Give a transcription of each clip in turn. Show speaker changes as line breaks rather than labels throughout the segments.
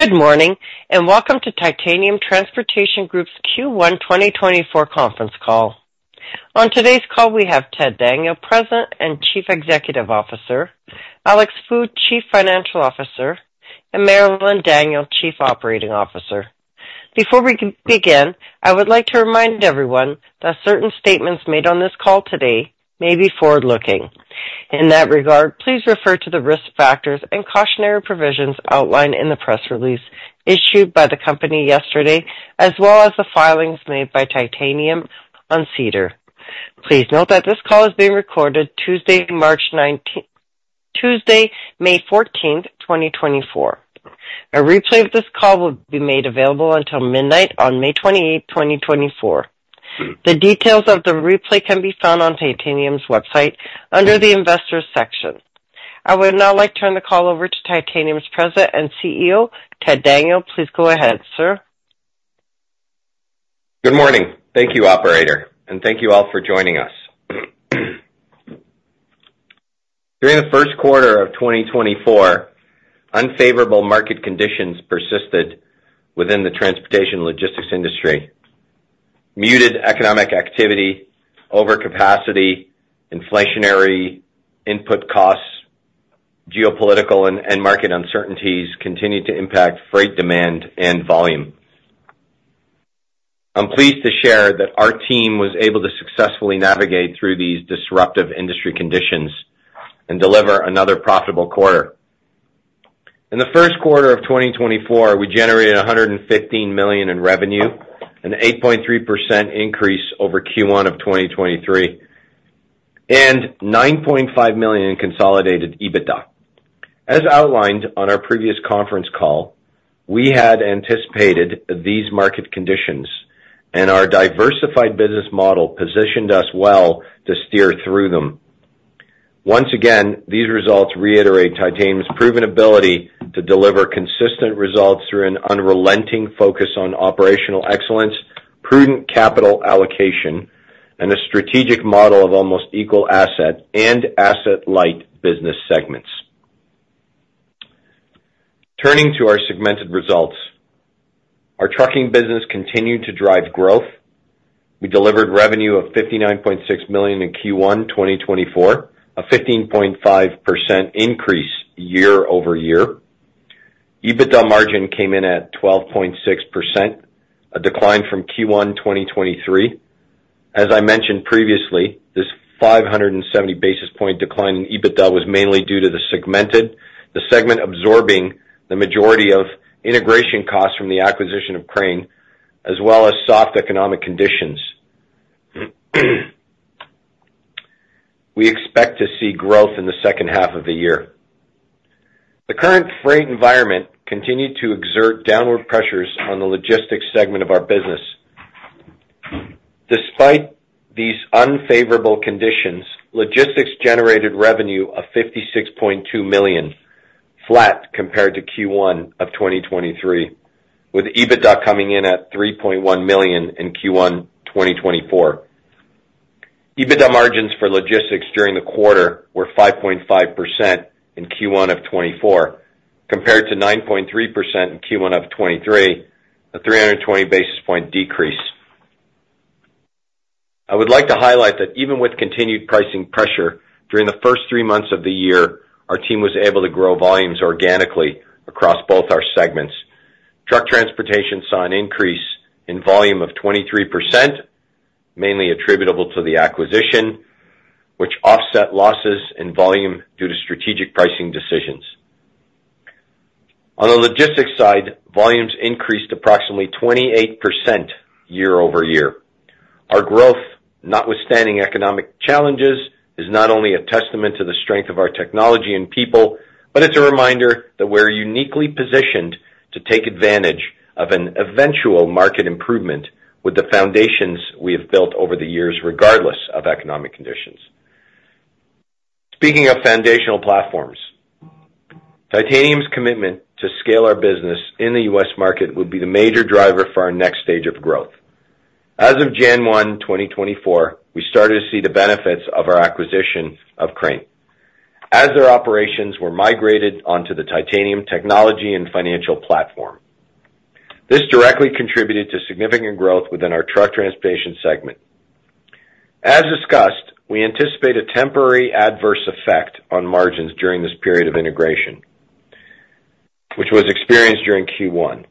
Good morning, and welcome to Titanium Transportation Group's Q1 2024 conference call. On today's call, we have Ted Daniel, President and Chief Executive Officer, Alex Fu, Chief Financial Officer, and Marilyn Daniel, Chief Operating Officer. Before we can begin, I would like to remind everyone that certain statements made on this call today may be forward-looking. In that regard, please refer to the risk factors and cautionary provisions outlined in the press release issued by the company yesterday, as well as the filings made by Titanium on SEDAR. Please note that this call is being recorded Tuesday, May 14, 2024. A replay of this call will be made available until midnight on May 28, 2024. The details of the replay can be found on Titanium's website under the investors section. I would now like to turn the call over to Titanium's President and CEO, Ted Daniel. Please go ahead, sir.
Good morning. Thank you, operator, and thank you all for joining us. During the first quarter of 2024, unfavorable market conditions persisted within the transportation logistics industry. Muted economic activity, overcapacity, inflationary input costs, geopolitical and market uncertainties continued to impact freight demand and volume. I'm pleased to share that our team was able to successfully navigate through these disruptive industry conditions and deliver another profitable quarter. In the first quarter of 2024, we generated 115 million in revenue, an 8.3% increase over Q1 of 2023, and 9.5 million in consolidated EBITDA. As outlined on our previous conference call, we had anticipated these market conditions, and our diversified business model positioned us well to steer through them. Once again, these results reiterate Titanium's proven ability to deliver consistent results through an unrelenting focus on operational excellence, prudent capital allocation, and a strategic model of almost equal asset and asset-light business segments. Turning to our segmented results. Our trucking business continued to drive growth. We delivered revenue of 59.6 million in Q1, 2024, a 15.5% increase year-over-year. EBITDA margin came in at 12.6%, a decline from Q1, 2023. As I mentioned previously, this 570 basis point decline in EBITDA was mainly due to the segment absorbing the majority of integration costs from the acquisition of Crane, as well as soft economic conditions. We expect to see growth in the second half of the year. The current freight environment continued to exert downward pressures on the logistics segment of our business. Despite these unfavorable conditions, logistics generated revenue of 56.2 million, flat compared to Q1 of 2023, with EBITDA coming in at 3.1 million in Q1 2024. EBITDA margins for logistics during the quarter were 5.5% in Q1 of 2024, compared to 9.3% in Q1 of 2023, a 320 basis point decrease. I would like to highlight that even with continued pricing pressure during the first three months of the year, our team was able to grow volumes organically across both our segments. Truck transportation saw an increase in volume of 23%, mainly attributable to the acquisition, which offset losses in volume due to strategic pricing decisions. On the logistics side, volumes increased approximately 28% year-over-year. Our growth, notwithstanding economic challenges, is not only a testament to the strength of our technology and people, but it's a reminder that we're uniquely positioned to take advantage of an eventual market improvement with the foundations we have built over the years, regardless of economic conditions. Speaking of foundational platforms, Titanium's commitment to scale our business in the U.S. market will be the major driver for our next stage of growth. As of January 1, 2024, we started to see the benefits of our acquisition of Crane, as their operations were migrated onto the Titanium technology and financial platform. This directly contributed to significant growth within our truck transportation segment. As discussed, we anticipate a temporary adverse effect on margins during this period of integration, which was experienced during Q1.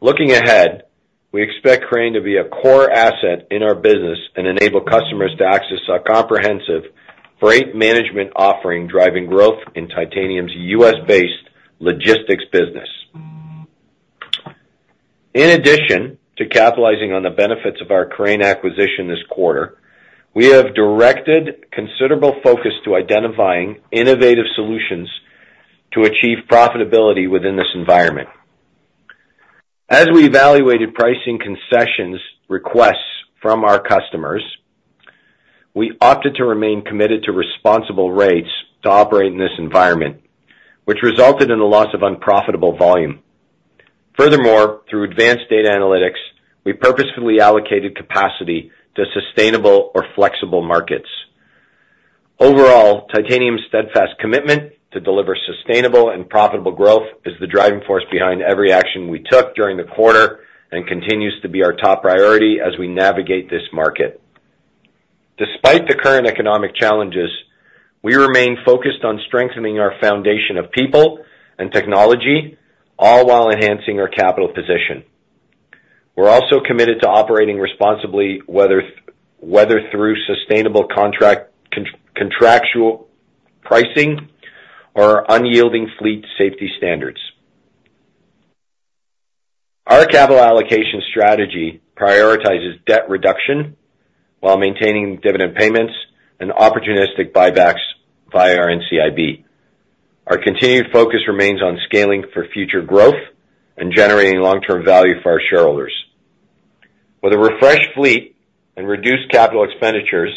Looking ahead, we expect Crane to be a core asset in our business and enable customers to access our comprehensive freight management offering, driving growth in Titanium's U.S.-based logistics business. In addition to capitalizing on the benefits of our Crane acquisition this quarter, we have directed considerable focus to identifying innovative solutions to achieve profitability within this environment. As we evaluated pricing concessions requests from our customers, we opted to remain committed to responsible rates to operate in this environment, which resulted in the loss of unprofitable volume. Furthermore, through advanced data analytics, we purposefully allocated capacity to sustainable or flexible markets. Overall, Titanium's steadfast commitment to deliver sustainable and profitable growth is the driving force behind every action we took during the quarter and continues to be our top priority as we navigate this market. Despite the current economic challenges, we remain focused on strengthening our foundation of people and technology, all while enhancing our capital position. We're also committed to operating responsibly, whether through sustainable contractual pricing or our unyielding fleet safety standards. Our capital allocation strategy prioritizes debt reduction while maintaining dividend payments and opportunistic buybacks via our NCIB. Our continued focus remains on scaling for future growth and generating long-term value for our shareholders. With a refreshed fleet and reduced capital expenditures,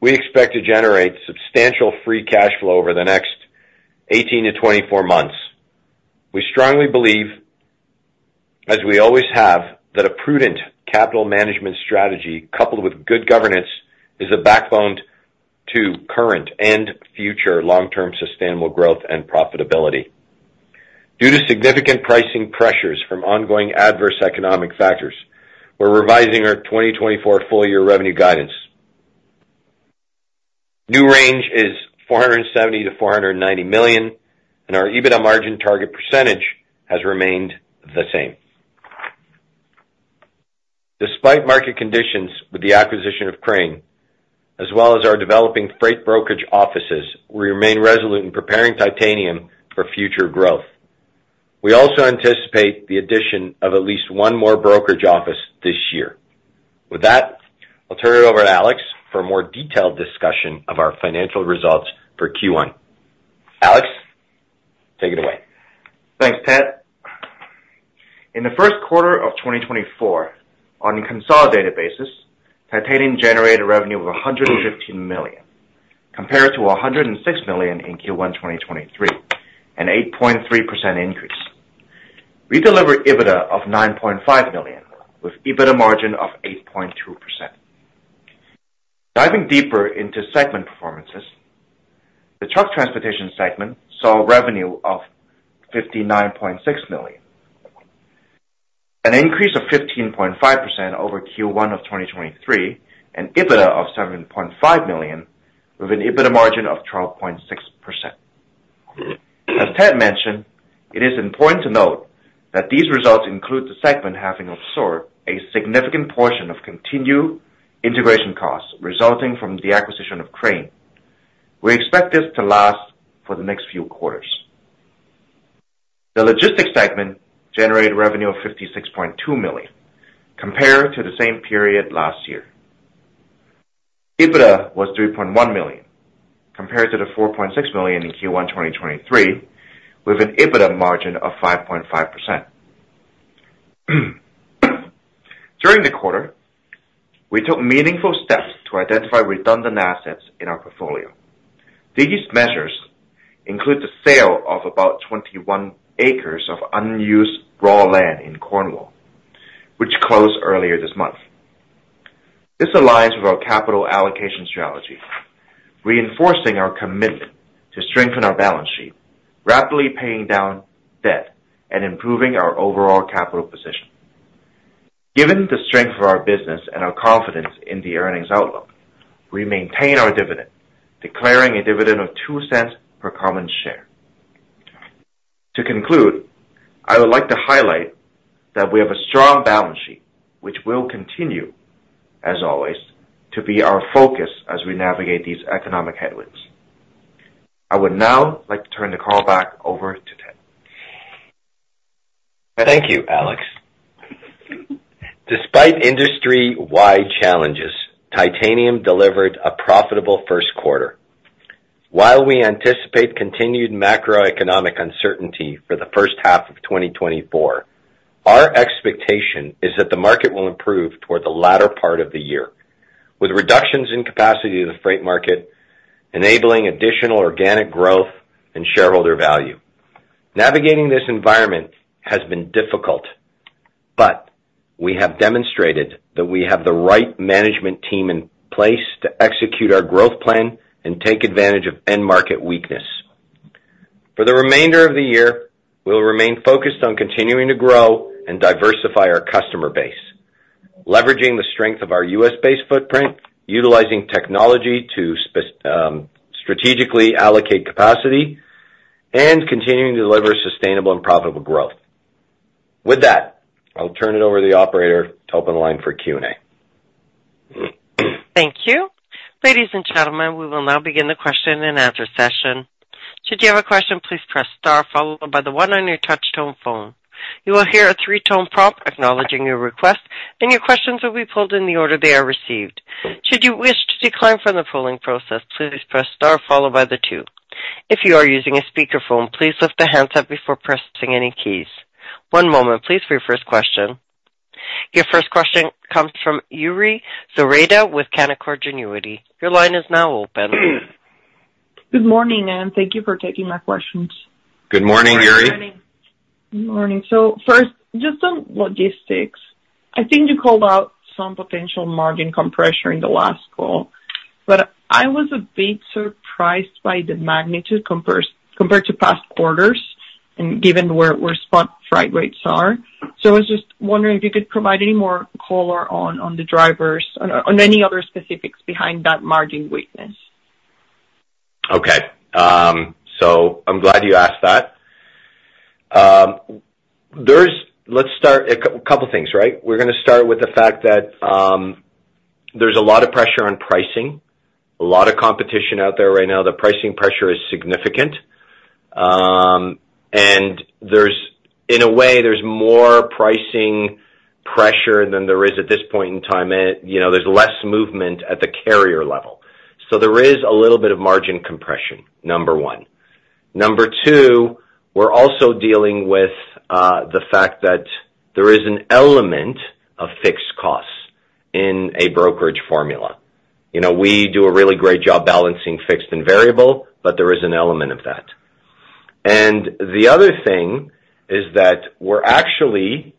we expect to generate substantial free cash flow over the next 18-24 months. We strongly believe, as we always have, that a prudent capital management strategy, coupled with good governance, is a backbone to current and future long-term sustainable growth and profitability. Due to significant pricing pressures from ongoing adverse economic factors, we're revising our 2024 full year revenue guidance. New range is 470 million-490 million, and our EBITDA margin target percentage has remained the same. Despite market conditions with the acquisition of Crane, as well as our developing freight brokerage offices, we remain resolute in preparing Titanium for future growth. We also anticipate the addition of at least one more brokerage office this year. With that, I'll turn it over to Alex for a more detailed discussion of our financial results for Q1. Alex, take it away.
Thanks, Ted. In the first quarter of 2024, on a consolidated basis, Titanium generated revenue of CAD 115 million, compared to CAD 106 million in Q1 2023, an 8.3% increase. We delivered EBITDA of 9.5 million, with EBITDA margin of 8.2%. Diving deeper into segment performances, the truck transportation segment saw revenue of 59.6 million, an increase of 15.5% over Q1 of 2023, and EBITDA of 7.5 million, with an EBITDA margin of 12.6%. As Ted mentioned, it is important to note that these results include the segment having absorbed a significant portion of continued integration costs resulting from the acquisition of Crane. We expect this to last for the next few quarters. The logistics segment generated revenue of 56.2 million, compared to the same period last year. EBITDA was 3.1 million, compared to the 4.6 million in Q1 2023, with an EBITDA margin of 5.5%. During the quarter, we took meaningful steps to identify redundant assets in our portfolio. These measures include the sale of about 21 acres of unused raw land in Cornwall, which closed earlier this month. This aligns with our capital allocation strategy, reinforcing our commitment to strengthen our balance sheet, rapidly paying down debt, and improving our overall capital position. Given the strength of our business and our confidence in the earnings outlook, we maintain our dividend, declaring a dividend of 0.02 per common share. To conclude, I would like to highlight that we have a strong balance sheet, which will continue, as always, to be our focus as we navigate these economic headwinds. I would now like to turn the call back over to Ted.
Thank you, Alex. Despite industry-wide challenges, Titanium delivered a profitable first quarter. While we anticipate continued macroeconomic uncertainty for the first half of 2024, our expectation is that the market will improve toward the latter part of the year, with reductions in capacity of the freight market, enabling additional organic growth and shareholder value. Navigating this environment has been difficult, but we have demonstrated that we have the right management team in place to execute our growth plan and take advantage of end market weakness. For the remainder of the year, we'll remain focused on continuing to grow and diversify our customer base, leveraging the strength of our U.S.-based footprint, utilizing technology to spec strategically allocate capacity, and continuing to deliver sustainable and profitable growth. With that, I'll turn it over to the operator to open the line for Q&A.
Thank you. Ladies and gentlemen, we will now begin the question and answer session. Should you have a question, please press star followed by the one on your touch tone phone. You will hear a three-tone prompt acknowledging your request, and your questions will be pulled in the order they are received. Should you wish to decline from the polling process, please press star followed by the two. If you are using a speakerphone, please lift the handset before pressing any keys. One moment, please, for your first question. Your first question comes from Yuri Zoreda with Canaccord Genuity. Your line is now open.
Good morning, and thank you for taking my questions.
Good morning, Yuri.
Good morning. So first, just on logistics, I think you called out some potential margin compression in the last call, but I was a bit surprised by the magnitude compared to past quarters and given where spot freight rates are. So I was just wondering if you could provide any more color on the drivers, on any other specifics behind that margin weakness.
Okay. So I'm glad you asked that. Let's start a couple things, right? We're gonna start with the fact that, there's a lot of pressure on pricing, a lot of competition out there right now. The pricing pressure is significant. And there's, in a way, there's more pricing pressure than there is at this point in time. And, you know, there's less movement at the carrier level. So there is a little bit of margin compression, number one. Number two, we're also dealing with the fact that there is an element of fixed costs in a brokerage formula. You know, we do a really great job balancing fixed and variable, but there is an element of that. And the other thing is that we're actually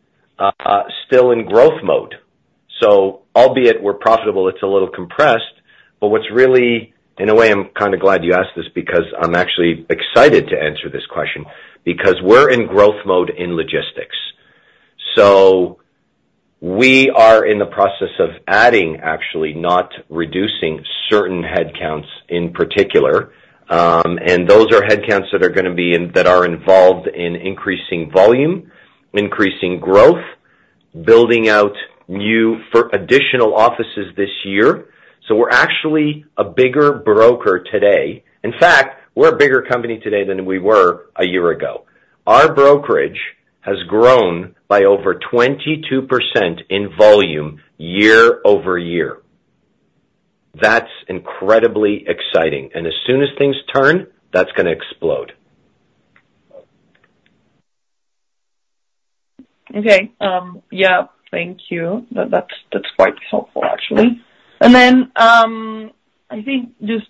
still in growth mode. So albeit we're profitable, it's a little compressed, but what's really. In a way, I'm kind of glad you asked this, because I'm actually excited to answer this question, because we're in growth mode in logistics. So we are in the process of adding, actually, not reducing certain headcounts in particular. And those are headcounts that are involved in increasing volume, increasing growth, building out new for additional offices this year. So we're actually a bigger broker today. In fact, we're a bigger company today than we were a year ago. Our brokerage has grown by over 22% in volume, year-over-year. That's incredibly exciting, and as soon as things turn, that's gonna explode.
Okay. Yeah, thank you. That's quite helpful, actually. And then, I think just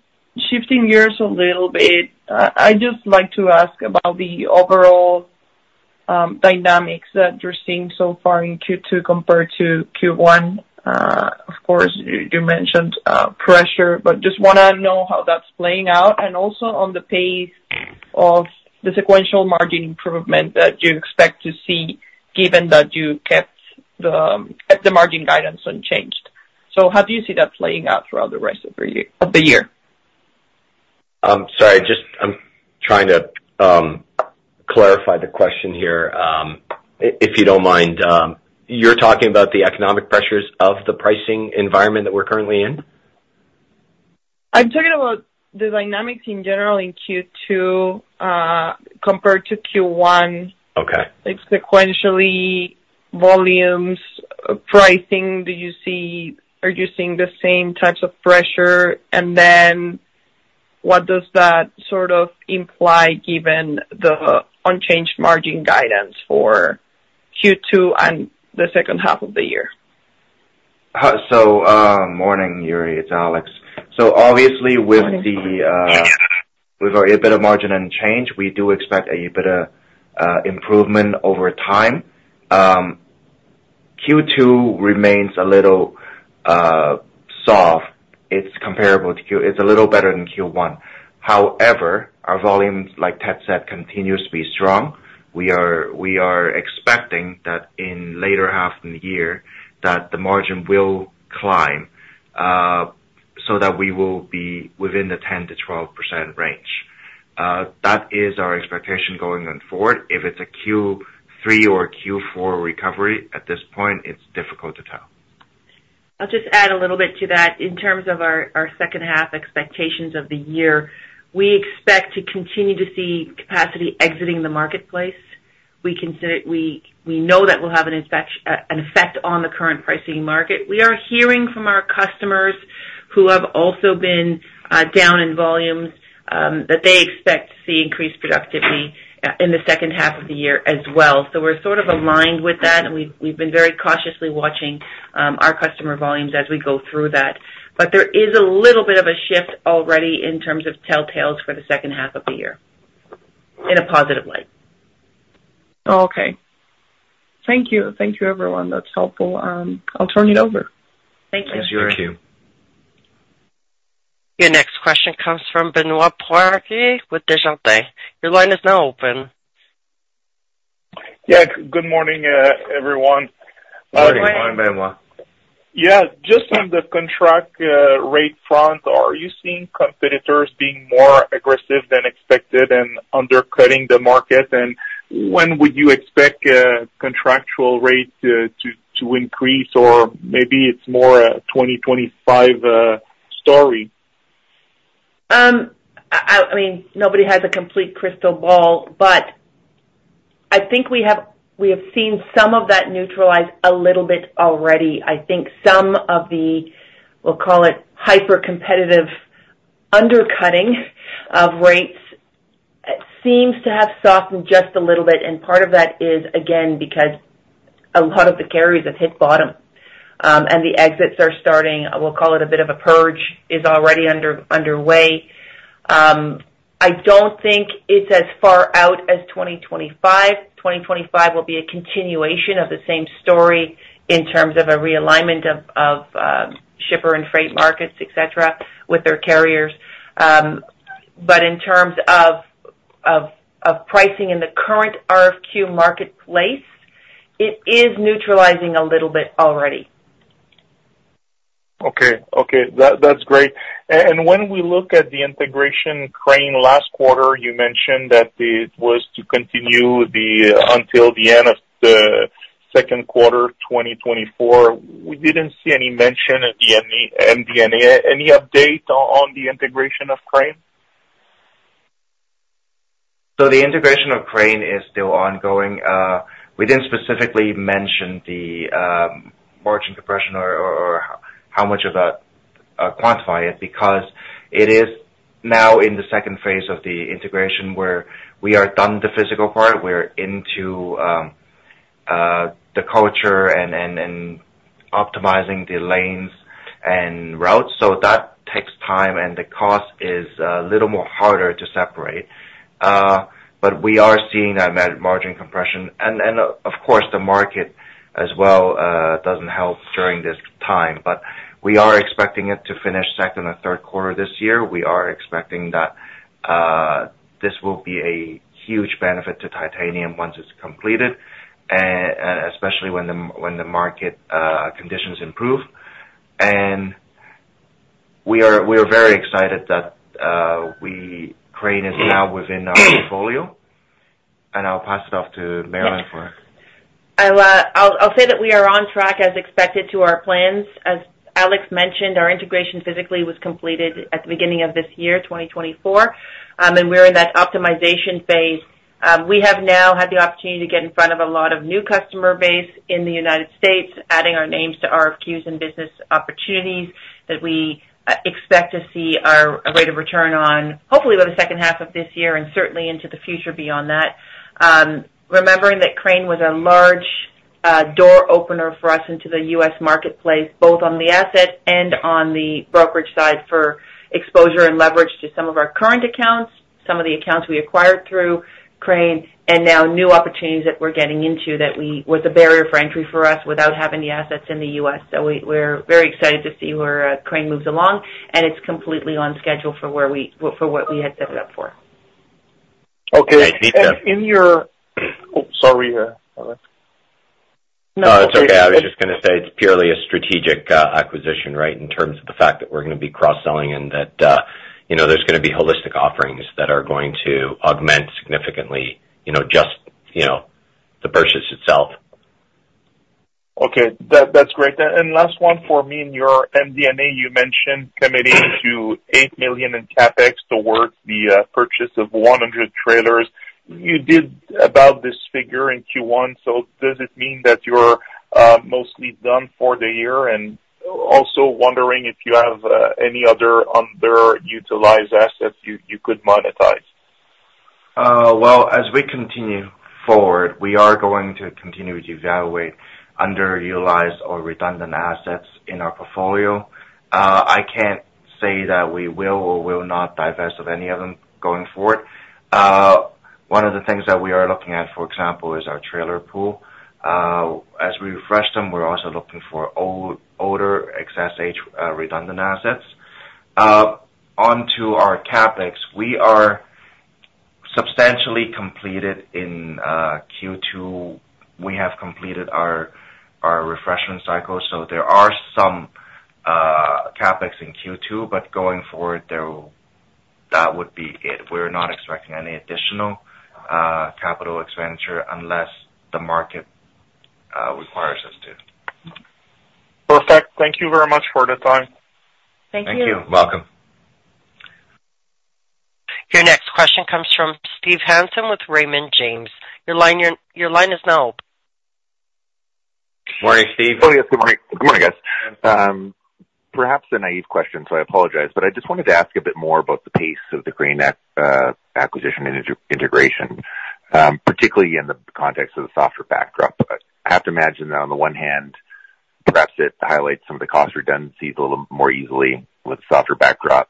shifting gears a little bit, I'd just like to ask about the overall dynamics that you're seeing so far in Q2 compared to Q1. Of course, you mentioned pressure, but just wanna know how that's playing out, and also on the pace of the sequential margin improvement that you expect to see, given that you kept the margin guidance unchanged. So how do you see that playing out throughout the rest of the year?
Sorry, just I'm trying to clarify the question here. If you don't mind, you're talking about the economic pressures of the pricing environment that we're currently in?
I'm talking about the dynamics in general in Q2, compared to Q1.
Okay.
Like, sequentially, volumes, pricing, do you see producing the same types of pressure? And then, what does that sort of imply, given the unchanged margin guidance for Q2 and the second half of the year?
So, morning, Yuri, it's Alex. So obviously, with the with our EBITDA margin unchanged, we do expect a EBITDA improvement over time. Q2 remains a little soft. It's comparable to Q1. It's a little better than Q1. However, our volumes, like Ted said, continues to be strong. We are, we are expecting that in later half in the year, that the margin will climb, so that we will be within the 10%-12% range. That is our expectation going on forward. If it's a Q3 or Q4 recovery, at this point, it's difficult to tell.
I'll just add a little bit to that. In terms of our second half expectations of the year, we expect to continue to see capacity exiting the marketplace. We consider, we know that will have an effect on the current pricing market. We are hearing from our customers who have also been down in volumes, that they expect to see increased productivity in the second half of the year as well. So we're sort of aligned with that, and we've been very cautiously watching our customer volumes as we go through that. But there is a little bit of a shift already in terms of telltales for the second half of the year, in a positive way.
Okay. Thank you. Thank you, everyone. That's helpful. I'll turn it over.
Thank you.
Thanks, Yuri.
Your next question comes from Benoit Poirier with Desjardins. Your line is now open.
Yeah. Good morning, everyone.
Good morning, Benoit.
Yeah. Just on the contract rate front, are you seeing competitors being more aggressive than expected and undercutting the market? When would you expect contractual rates to increase, or maybe it's more a 2025 story?
I mean, nobody has a complete crystal ball, but I think we have, we have seen some of that neutralized a little bit already. I think some of the, we'll call it, hypercompetitive undercutting of rates, seems to have softened just a little bit, and part of that is, again, because a lot of the carriers have hit bottom, and the exits are starting, we'll call it a bit of a purge, is already underway. I don't think it's as far out as 2025. 2025 will be a continuation of the same story in terms of a realignment of shipper and freight markets, et cetera, with their carriers. But in terms of pricing in the current RFQ marketplace, it is neutralizing a little bit already.
Okay, that's great. When we look at the integration of Crane last quarter, you mentioned that it was to continue until the end of the second quarter, 2024. We didn't see any mention at the MD&A. Any update on the integration of Crane?
So the integration of Crane is still ongoing. We didn't specifically mention the margin compression or how much of that quantify it, because it is now in the second phase of the integration, where we are done the physical part. We're into the culture and optimizing the lanes and routes. So that takes time, and the cost is a little more harder to separate. But we are seeing that margin compression. Of course, the market as well doesn't help during this time, but we are expecting it to finish second or third quarter this year. We are expecting that this will be a huge benefit to Titanium once it's completed, especially when the market conditions improve. We are very excited that Crane is now within our portfolio, and I'll pass it off to Marilyn for-
I'll say that we are on track as expected to our plans. As Alex mentioned, our integration physically was completed at the beginning of this year, 2024, and we're in that optimization phase. We have now had the opportunity to get in front of a lot of new customer base in the United States, adding our names to RFQs and business opportunities that we expect to see a rate of return on, hopefully, by the second half of this year and certainly into the future beyond that. Remembering that Crane was a large door opener for us into the U.S. marketplace, both on the asset and on the brokerage side, for exposure and leverage to some of our current accounts, some of the accounts we acquired through Crane, and now new opportunities that we're getting into that was a barrier for entry for us without having the assets in the U.S. So we're very excited to see where Crane moves along, and it's completely on schedule for where we, for what we had set it up for.
Ok.
Hi Benoit.
In your. Oh, sorry, Alex.
No, it's okay. I was just gonna say it's purely a strategic acquisition, right? In terms of the fact that we're gonna be cross-selling and that, you know, there's gonna be holistic offerings that are going to augment significantly, you know, just, you know, the purchase itself.
Okay. That's great. And last one for me. In your MD&A, you mentioned committing to 8 million in CapEx towards the purchase of 100 trailers. You did about this figure in Q1, so does it mean that you're mostly done for the year? And also wondering if you have any other underutilized assets you could monetize.
Well, as we continue forward, we are going to continue to evaluate underutilized or redundant assets in our portfolio. I can't say that we will or will not divest of any of them going forward. One of the things that we are looking at, for example, is our trailer pool. As we refresh them, we're also looking for older excess age redundant assets. Onto our CapEx, we are substantially completed in Q2. We have completed our refreshment cycle, so there are some CapEx in Q2, but going forward, there will that would be it. We're not expecting any additional capital expenditure unless the market requires us to.
Perfect. Thank you very much for the time.
Thank you.
Thank you. Welcome.
Your next question comes from Steve Hansen with Raymond James. Your line is now open.
Morning, Steve.
Oh, yes, good morning. Good morning, guys. Perhaps a naive question, so I apologize, but I just wanted to ask a bit more about the pace of the Crane acquisition and integration, particularly in the context of the softer backdrop. I have to imagine that on the one hand, perhaps it highlights some of the cost redundancies a little more easily with the softer backdrop,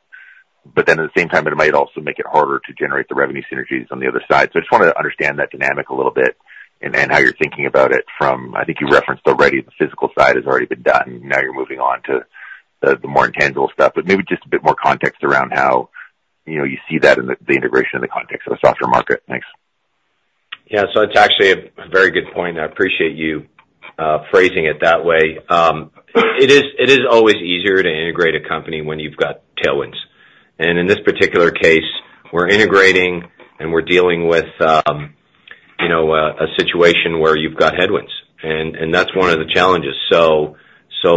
but then at the same time, it might also make it harder to generate the revenue synergies on the other side. So I just wanted to understand that dynamic a little bit and how you're thinking about it from. I think you referenced already, the physical side has already been done. Now you're moving on to the more intangible stuff, but maybe just a bit more context around how, you know, you see that in the integration in the context of the softer market. Thanks.
Yeah. So it's actually a very good point, and I appreciate you phrasing it that way. It is always easier to integrate a company when you've got tailwinds. And in this particular case, we're integrating, and we're dealing with you know, a situation where you've got headwinds, and that's one of the challenges. So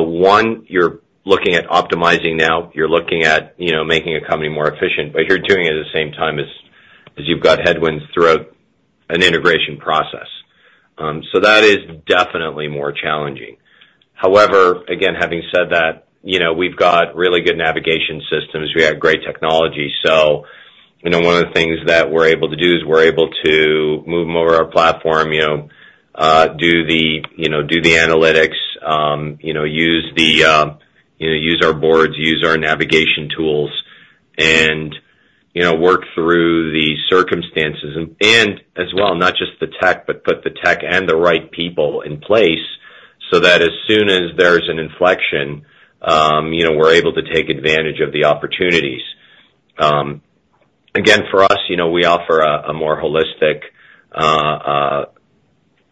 one, you're looking at optimizing now, you're looking at you know, making a company more efficient, but you're doing it at the same time as you've got headwinds throughout an integration process. So that is definitely more challenging. However, again, having said that, you know, we've got really good navigation systems. We have great technology, so. You know, one of the things that we're able to do is we're able to move them over our platform, you know, do the analytics, you know, use our boards, use our navigation tools, and, you know, work through the circumstances. And as well, not just the tech, but put the tech and the right people in place, so that as soon as there's an inflection, you know, we're able to take advantage of the opportunities. Again, for us, you know, we offer a more holistic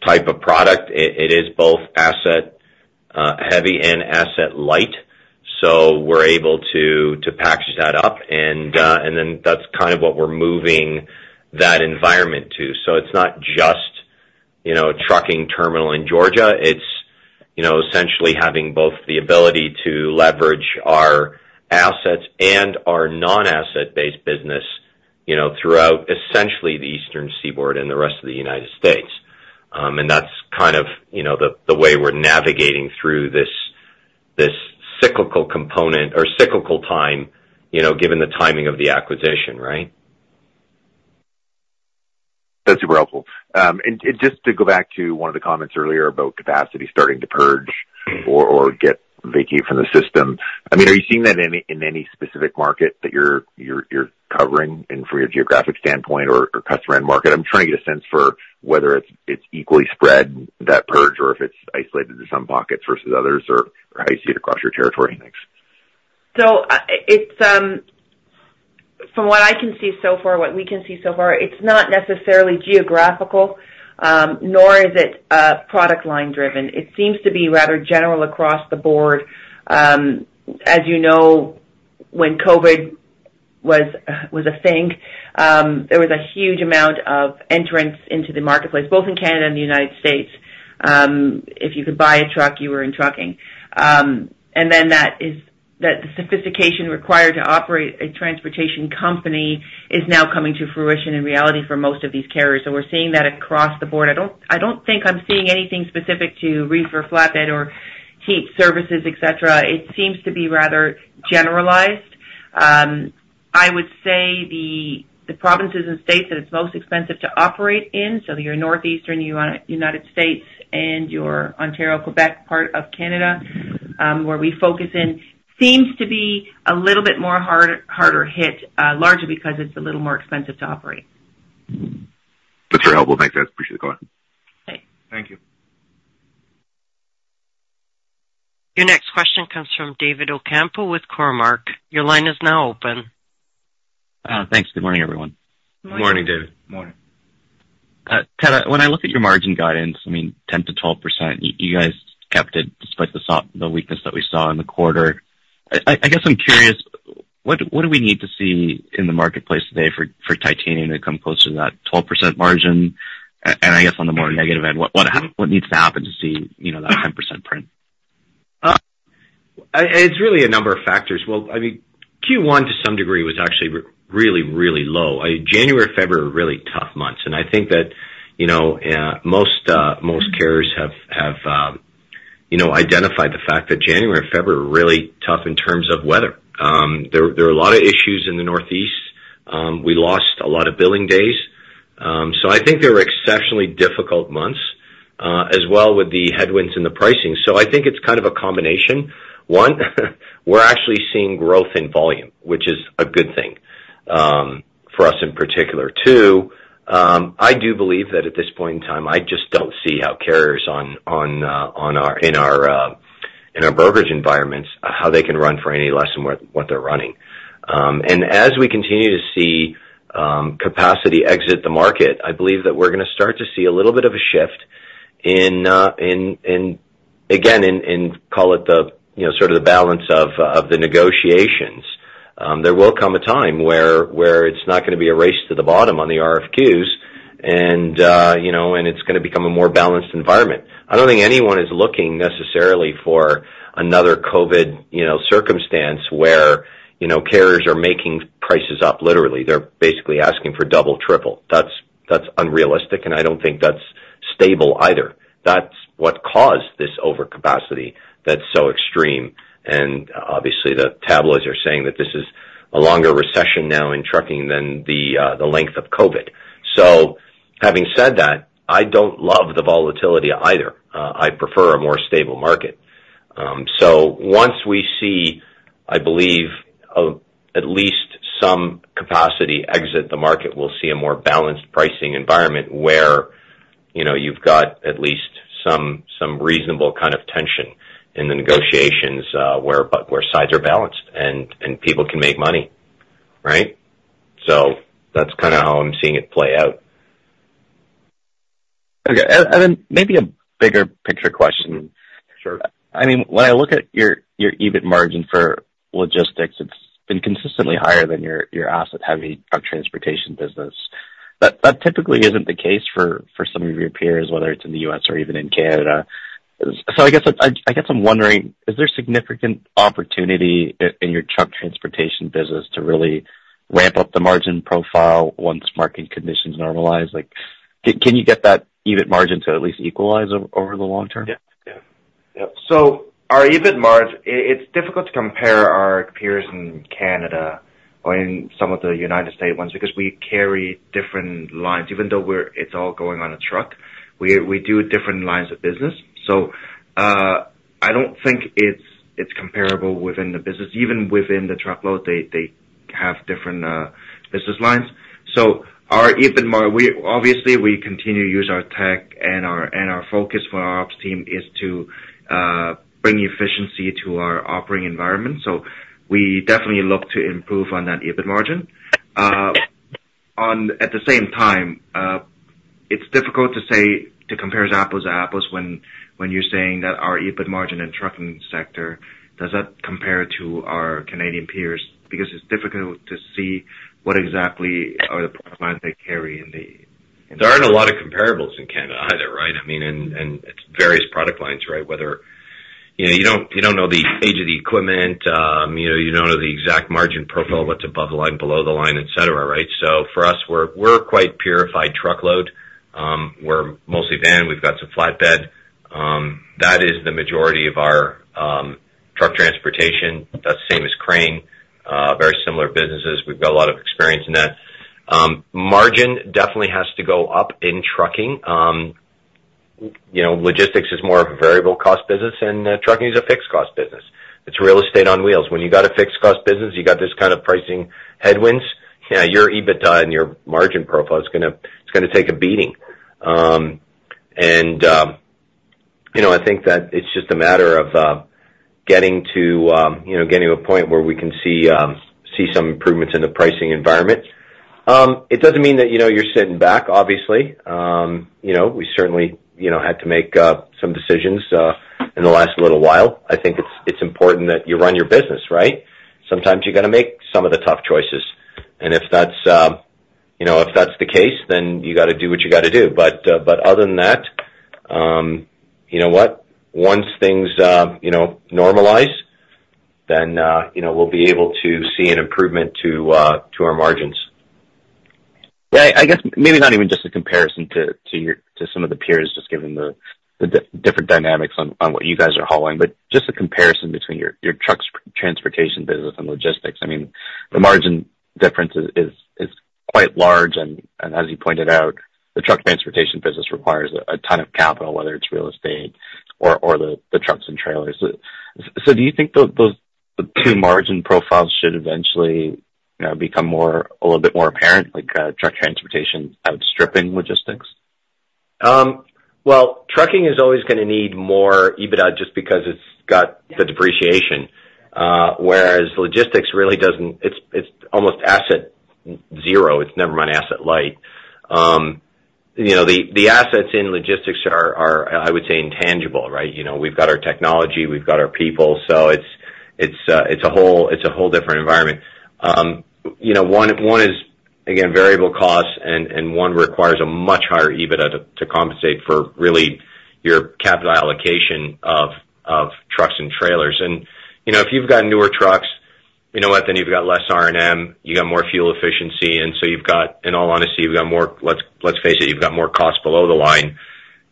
type of product. It is both asset heavy and asset light, so we're able to package that up, and then that's kind of what we're moving that environment to. So it's not just, you know, trucking terminal in Georgia. It's, you know, essentially having both the ability to leverage our assets and our non-asset-based business, you know, throughout essentially the Eastern Seaboard and the rest of the United States. And that's kind of, you know, the way we're navigating through this, this cyclical component or cyclical time, you know, given the timing of the acquisition, right?
That's super helpful. And just to go back to one of the comments earlier about capacity starting to purge or get vacated from the system. I mean, are you seeing that in any specific market that you're covering and from a geographic standpoint or customer-end market? I'm trying to get a sense for whether it's equally spread, that purge, or if it's isolated to some pockets versus others, or how you see it across your territory mix.
So, it's from what I can see so far, what we can see so far, it's not necessarily geographical, nor is it product line driven. It seems to be rather general across the board. As you know, when COVID was a thing, there was a huge amount of entrants into the marketplace, both in Canada and the United States. If you could buy a truck, you were in trucking. And then that is, that the sophistication required to operate a transportation company is now coming to fruition and reality for most of these carriers, so we're seeing that across the board. I don't think I'm seeing anything specific to reefer, flatbed or heat services, et cetera. It seems to be rather generalized. I would say the provinces and states that it's most expensive to operate in, so your Northeastern United States and your Ontario, Quebec, part of Canada, where we focus in, seems to be a little bit more harder hit, largely because it's a little more expensive to operate.
That's very helpful. Thanks, guys. Appreciate the call.
Bye.
Thank you.
Your next question comes from David Ocampo with Cormark. Your line is now open.
Thanks. Good morning, everyone.
Good morning, David.
Morning.
Kind of when I look at your margin guidance, I mean, 10%-12%, you guys kept it despite the softness—the weakness that we saw in the quarter. I guess I'm curious, what do we need to see in the marketplace today for Titanium to come closer to that 12% margin? And I guess on the more negative end, what needs to happen to see, you know, that 10% print?
It's really a number of factors. Well, I mean, Q1, to some degree, was actually really, really low. January, February are really tough months, and I think that, you know, most carriers have identified the fact that January and February are really tough in terms of weather. There are a lot of issues in the Northeast. We lost a lot of billing days. So I think they were exceptionally difficult months, as well with the headwinds and the pricing. So I think it's kind of a combination. One, we're actually seeing growth in volume, which is a good thing, for us in particular. Two, I do believe that at this point in time, I just don't see how carriers in our brokerage environments how they can run for any less than what they're running. As we continue to see capacity exit the market, I believe that we're gonna start to see a little bit of a shift in, again, in call it the, you know, sort of the balance of the negotiations. There will come a time where it's not gonna be a race to the bottom on the RFQs and, you know, and it's gonna become a more balanced environment. I don't think anyone is looking necessarily for another COVID, you know, circumstance where, you know, carriers are making prices up literally. They're basically asking for double, triple. That's, that's unrealistic, and I don't think that's stable either. That's what caused this overcapacity that's so extreme, and obviously, the tabloids are saying that this is a longer recession now in trucking than the, the length of COVID. So having said that, I don't love the volatility either. I prefer a more stable market. So once we see, I believe, at least some capacity exit the market, we'll see a more balanced pricing environment where, you know, you've got at least some, some reasonable kind of tension in the negotiations, where, but where sides are balanced and, and people can make money, right? So that's kinda how I'm seeing it play out.
Okay, and then maybe a bigger picture question.
Sure.
I mean, when I look at your EBIT margin for logistics, it's been consistently higher than your asset-heavy truck transportation business. That typically isn't the case for some of your peers, whether it's in the U.S. or even in Canada. So I guess I'm wondering, is there significant opportunity in your truck transportation business to really ramp up the margin profile once market conditions normalize? Like, can you get that EBIT margin to at least equalize over the long term?
So our EBIT margin, it's difficult to compare our peers in Canada or in some of the United States ones, because we carry different lines, even though it's all going on a truck, we do different lines of business. So, I don't think it's comparable within the business. Even within the truckload, they have different business lines. So our EBIT margin we obviously continue to use our tech and our focus for our ops team is to bring efficiency to our operating environment, so we definitely look to improve on that EBIT margin. At the same time, it's difficult to say to compare apples to apples when you're saying that our EBIT margin and trucking sector, does that compare to our Canadian peers? Because it's difficult to see what exactly are the product lines they carry in the-
There aren't a lot of comparables in Canada either, right? I mean, it's various product lines, right? You know, you don't know the age of the equipment. You know, you don't know the exact margin profile, what's above the line, below the line, et cetera, right? So for us, we're quite purified truckload. We're mostly van. We've got some flatbed. That is the majority of our Truck Transportation. That's the same as Crane, very similar businesses. We've got a lot of experience in that. Margin definitely has to go up in trucking. You know, Logistics is more of a variable cost business, and trucking is a fixed cost business. It's real estate on wheels. When you got a fixed cost business, you got this kind of pricing headwinds, you know, your EBITDA and your margin profile is gonna, it's gonna take a beating. And you know, I think that it's just a matter of getting to, you know, getting to a point where we can see some improvements in the pricing environment. It doesn't mean that, you know, you're sitting back, obviously. You know, we certainly, you know, had to make some decisions in the last little while. I think it's important that you run your business, right? Sometimes you got to make some of the tough choices, and if that's, you know, if that's the case, then you got to do what you got to do. But other than that, you know what? Once things, you know, normalize, then, you know, we'll be able to see an improvement to our margins.
Yeah, I guess maybe not even just a comparison to your some of the peers, just given the different dynamics on what you guys are hauling, but just a comparison between your trucks transportation business and logistics. I mean, the margin difference is quite large, and as you pointed out, the truck transportation business requires a ton of capital, whether it's real estate or the trucks and trailers. So do you think those the two margin profiles should eventually become more, a little bit more apparent, like truck transportation outstripping logistics?
Well, trucking is always gonna need more EBITDA just because it's got the depreciation, whereas logistics really doesn't. It's almost asset zero. Never mind, asset light. You know, the assets in logistics are, I would say, intangible, right? You know, we've got our technology, we've got our people, so it's a whole different environment. You know, one is, again, variable costs, and one requires a much higher EBITDA to compensate for really your capital allocation of trucks and trailers. And, you know, if you've got newer trucks, you know what? Then you've got less R&M, you got more fuel efficiency, and so you've got In all honesty, you've got more, let's face it, you've got more costs below the line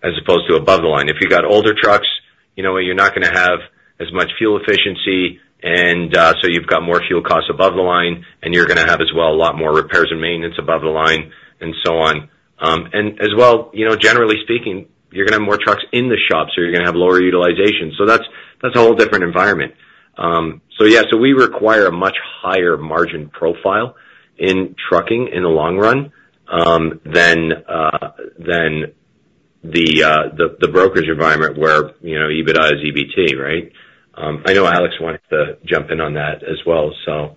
as opposed to above the line. If you've got older trucks, you know what? You're not gonna have as much fuel efficiency, and so you've got more fuel costs above the line, and you're gonna have as well a lot more repairs and maintenance above the line and so on. And as well, you know, generally speaking, you're gonna have more trucks in the shop, so you're gonna have lower utilization. So that's a whole different environment. So yeah, so we require a much higher margin profile in trucking in the long run than the brokerage environment, where, you know, EBITDA is EBT, right? I know Alex wanted to jump in on that as well, so.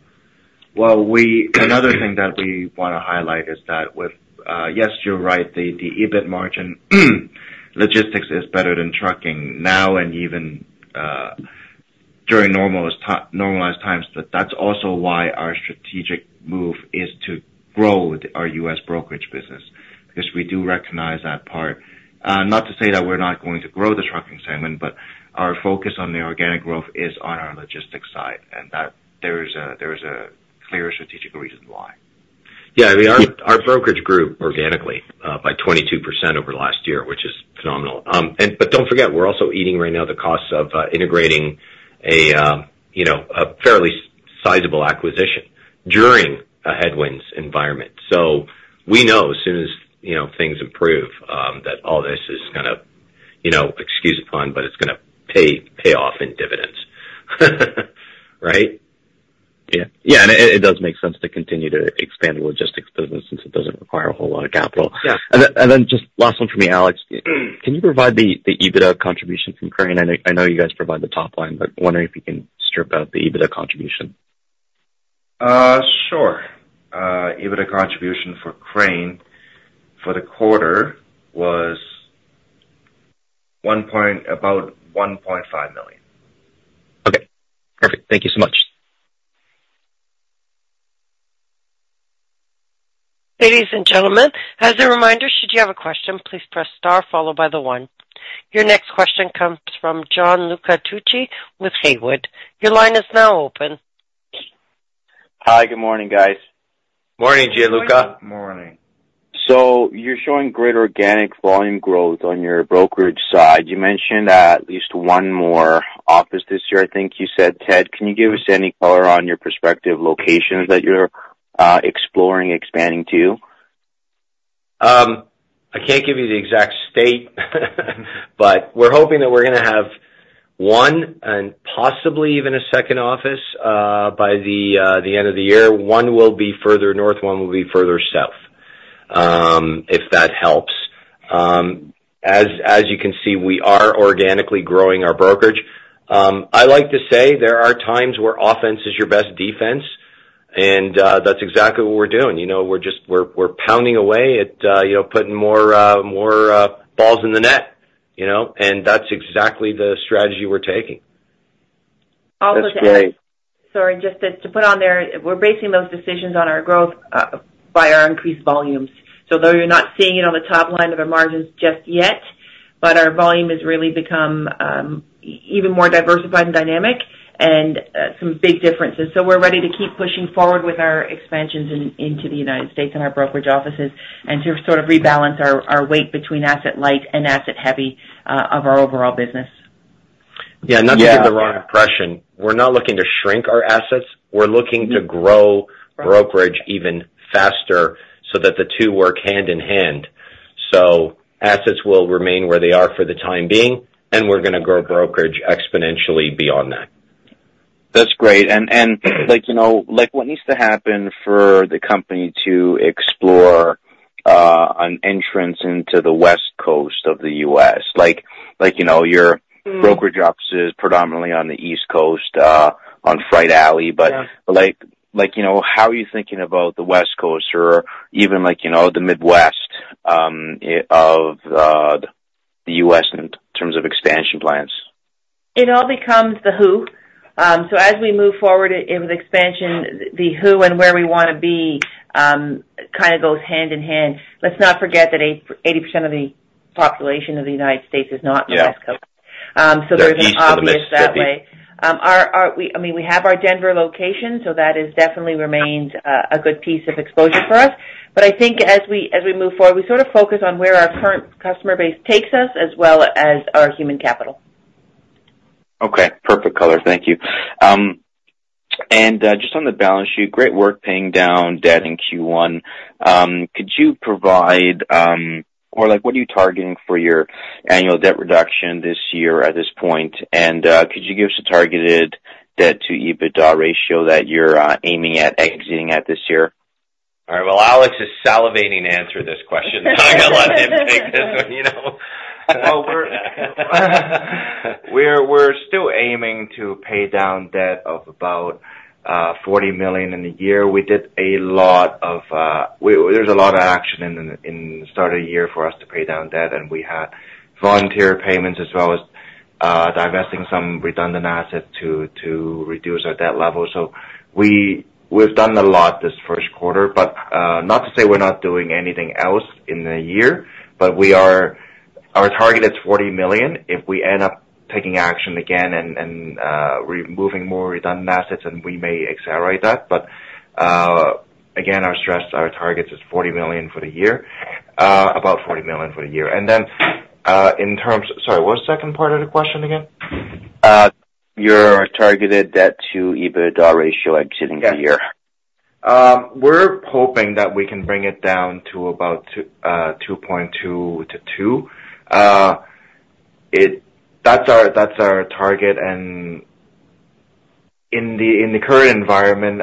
Well, we another thing that we want to highlight is that with, yes, you're right, the, the EBIT margin, logistics is better than trucking now and even, during normalized times, but that's also why our strategic move is to grow our U.S. brokerage business, because we do recognize that part. Not to say that we're not going to grow the trucking segment, but our focus on the organic growth is on our logistics side, and that there is a, there is a clear strategic reason why.
Yeah, I mean, our brokerage grew organically by 22% over last year, which is phenomenal. And but don't forget, we're also eating right now the costs of integrating a, you know, a fairly sizable acquisition during a headwinds environment. So we know as soon as, you know, things improve, that all this is gonna, you know, excuse the pun, but it's gonna pay off in dividends. Right?
Yeah. Yeah, and it does make sense to continue to expand the logistics business since it doesn't require a whole lot of capital.
Yeah.
And then just last one for me, Alex. Can you provide the EBITDA contribution from Crane? I know you guys provide the top line, but wondering if you can strip out the EBITDA contribution.
EBITDA contribution for Crane for the quarter was one, about 1.5 million.
Okay, perfect. Thank you so much.
Ladies and gentlemen, as a reminder, should you have a question, please press star followed by the one. Your next question comes from Gianluca Tucci with Haywood. Your line is now open.
Hi, good morning, guys.
Morning, Gianluca.
Morning.
You're showing great organic volume growth on your brokerage side. You mentioned at least one more office this year, I think you said, Ted, can you give us any color on your prospective locations that you're exploring, expanding to?
I can't give you the exact state, but we're hoping that we're gonna have one and possibly even a second office by the end of the year. One will be further north, one will be further south, if that helps. As you can see, we are organically growing our brokerage. I like to say there are times where offense is your best defense, and that's exactly what we're doing. You know, we're just pounding away at, you know, putting more balls in the net, you know, and that's exactly the strategy we're taking.
That's great.
Also to add. Sorry, just to put on there, we're basing those decisions on our growth by our increased volumes. So though you're not seeing it on the top line of our margins just yet, but our volume has really become even more diversified and dynamic and some big differences. So we're ready to keep pushing forward with our expansions into the United States and our brokerage offices, and to sort of rebalance our our weight between asset light and asset heavy of our overall business.
Yeah, not to give the wrong impression, we're not looking to shrink our assets. We're looking to grow brokerage even faster so that the two work hand in hand. So assets will remain where they are for the time being, and we're gonna grow brokerage exponentially beyond that.
That's great. And like, you know, like, what needs to happen for the company to explore an entrance into the West Coast of the U.S.? Like, like, you know, your-
Mm-hmm.
brokerage office is predominantly on the East Coast, on Freight Alley.
Yeah.
But like, like, you know, how are you thinking about the West Coast or even, like, you know, the Midwest, the U.S. in terms of expansion plans?
It all becomes the who. So as we move forward in the expansion the who and where we wanna be, kind of goes hand in hand. Let's not forget that 80% of the population of the United States is not-
Yeah
on the West Coast. So-
They're east of the Mississippi.
there's an obvious that way. I mean, we have our Denver location, so that is definitely remained a good piece of exposure for us. But I think as we move forward, we sort of focus on where our current customer base takes us, as well as our human capital.
Okay. Perfect color. Thank you. Just on the balance sheet, great work paying down debt in Q1. Could you provide, or like, what are you targeting for your annual debt reduction this year at this point? And, could you give us a targeted debt to EBITDA ratio that you're aiming at exiting at this year?
All right. Well, Alex is salivating to answer this question. So I'm gonna let him take this one, you know?
Well, we're still aiming to pay down debt of about 40 million in the year. We did a lot of there's a lot of action in the start of the year for us to pay down debt, and we had voluntary payments as well as divesting some redundant assets to reduce our debt level. So we've done a lot this first quarter, but not to say we're not doing anything else in the year, but our target is 40 million. If we end up taking action again and removing more redundant assets, then we may accelerate that. But again, our stretch target is 40 million for the year, about 40 million for the year. And then in terms. Sorry, what was the second part of the question again?
Your targeted debt to EBITDA ratio exiting the year?
Yeah. We're hoping that we can bring it down to about 2.2-2. That's our target, and in the current environment,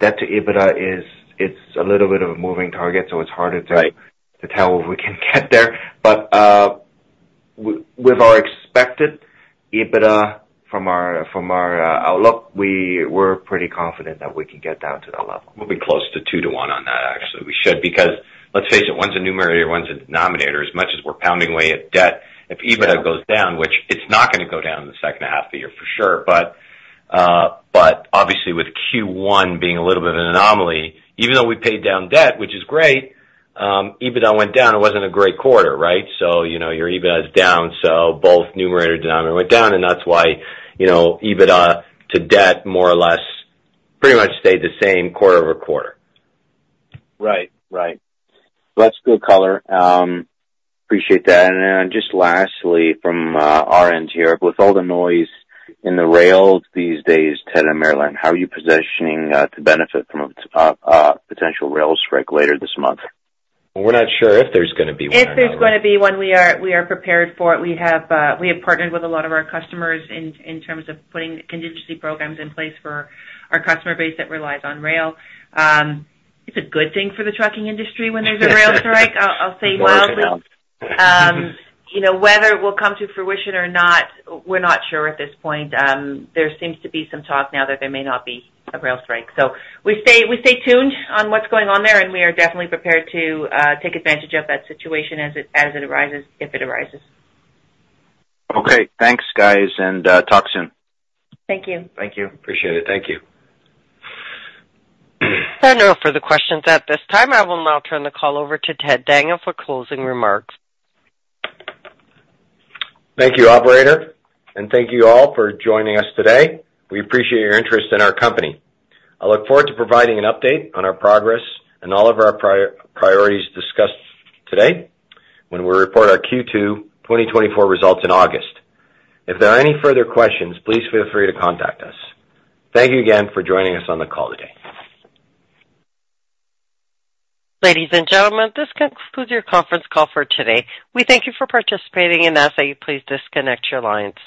debt to EBITDA is a little bit of a moving target, so it's harder to-
Right
to tell if we can get there. But, with our expected EBITDA from our, from our, outlook, we're pretty confident that we can get down to that level.
We'll be close to two-to-one on that, actually. We should, because let's face it, one's a numerator, one's a denominator. As much as we're pounding away at debt, if EBITDA goes down-
Yeah.
which it's not gonna go down in the second half of the year for sure, but, but obviously with Q1 being a little bit of an anomaly, even though we paid down debt, which is great, EBITDA went down, it wasn't a great quarter, right? So, you know, your EBITDA is down, so both numerator and denominator went down, and that's why, you know, EBITDA to debt more or less pretty much stayed the same quarter-over-quarter.
Right. Right. That's good color. Appreciate that. And then just lastly, from our end here, with all the noise in the rails these days, Ted and Marilyn, how are you positioning to benefit from a potential rail strike later this month?
We're not sure if there's gonna be one or not.
If there's gonna be one, we are, we are prepared for it. We have, we have partnered with a lot of our customers in terms of putting contingency programs in place for our customer base that relies on rail. It's a good thing for the trucking industry when there's a rail strike. I'll say mildly. You know, whether it will come to fruition or not, we're not sure at this point. There seems to be some talk now that there may not be a rail strike. So we stay, we stay tuned on what's going on there, and we are definitely prepared to take advantage of that situation as it, as it arises, if it arises.
Okay. Thanks, guys, and talk soon.
Thank you.
Thank you.
Appreciate it. Thank you.
There are no further questions at this time. I will now turn the call over to Ted Daniel for closing remarks.
Thank you, operator, and thank you all for joining us today. We appreciate your interest in our company. I look forward to providing an update on our progress and all of our priorities discussed today when we report our Q2 2024 results in August. If there are any further questions, please feel free to contact us. Thank you again for joining us on the call today.
Ladies and gentlemen, this concludes your conference call for today. We thank you for participating and ask that you please disconnect your lines.